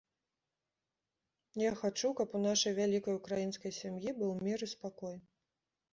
Я хачу, каб у нашай вялікай ўкраінскай сям'і быў мір і спакой.